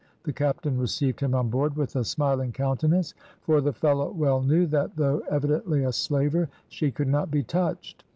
The captain received him on board with a smiling countenance, for the fellow well knew that though evidently a slaver, she could not be touched.